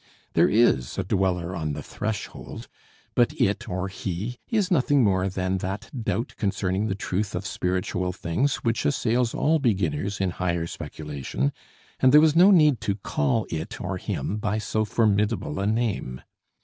There is a 'Dweller on the Threshold,' but it, or he, is nothing more than that doubt concerning the truth of spiritual things which assails all beginners in higher speculation, and there was no need to call it or him by so formidable a name.